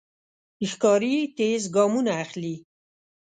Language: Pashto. ښکاري تېز ګامونه اخلي.